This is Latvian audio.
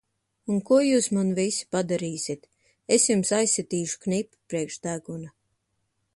Un ko jūs man visi padarīsit! Es jums aizsitīšu knipi priekš deguna!